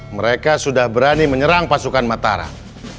mereka sudah berani menyerang pasukan mataram